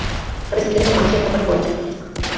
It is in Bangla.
তবে সুইডেনে কোনো মালয়েশিয়ান কোম্পানি পরিচালিত হচ্ছে না।